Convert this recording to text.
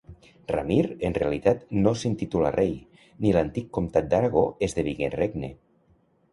Ramir, en realitat, no s'intitulà rei, ni l'antic comtat d'Aragó esdevingué regne.